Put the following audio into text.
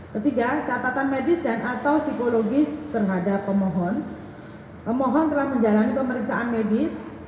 ketiga catatan medis dan atau psikologis terhadap pemohon pemohon telah menjalani pemeriksaan medis